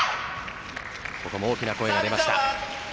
ここも大きな声が出ました。